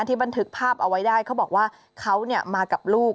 บันทึกภาพเอาไว้ได้เขาบอกว่าเขามากับลูก